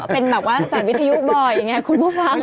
เป็นจ่านวิทยุบ่อยอย่างเงี้ยคุณผู้ฟัง